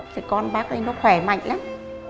thế con bác ấy nó khỏe mạnh lắm